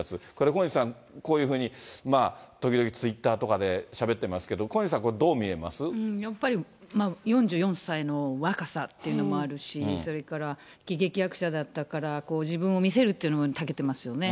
小西さん、こういうふうに時々ツイッターとかでしゃべってますけど、小西さん、これ、どう見えまやっぱり４４歳の若さっていうのもあるし、それから喜劇役者だったから、こう、自分を見せるっていうのにもたけてますよね。